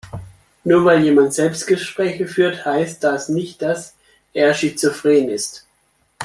Nur weil jemand Selbstgespräche führt, heißt das nicht, dass er schizophren ist.